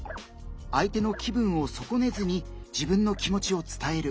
相手の気分を損ねずに自分の気持ちを伝える。